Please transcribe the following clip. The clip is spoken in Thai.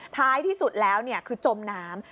ท้ายที่สุดแล้วคือจมน้ำ